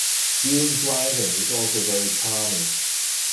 Dune driving is also very charming.